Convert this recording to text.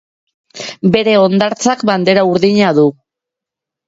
Bere hondartzak bandera urdina du.